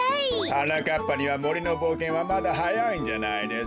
はなかっぱにはもりのぼうけんはまだはやいんじゃないですか？